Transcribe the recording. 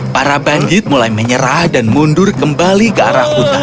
para bandit mulai menyerah dan mundur kembali ke arah hutan